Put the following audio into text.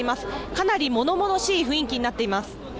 かなり物々しい雰囲気になっています。